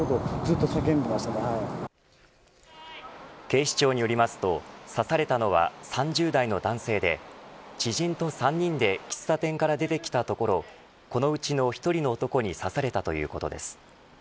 警視庁によりますと刺されたのは３０代の男性で知人と３人で喫茶店から出てきたところこのうちの１人の男に刺されたということです。